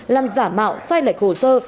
làm giả mạo sai lệch hồ sơ